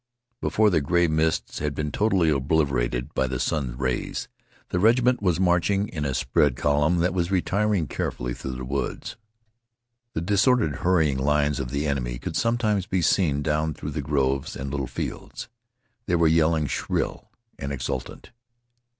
Before the gray mists had been totally obliterated by the sun rays, the regiment was marching in a spread column that was retiring carefully through the woods. The disordered, hurrying lines of the enemy could sometimes be seen down through the groves and little fields. They were yelling, shrill and exultant.